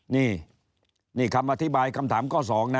นี่คำอธิบายคำถามข้อ๒